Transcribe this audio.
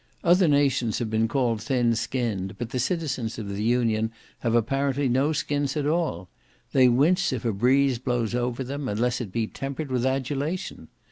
Other nations have been called thin skinned, but the citizens of the Union have, apparently, no skins at all; they wince if a breeze blows over them, unless it be tempered with adulation.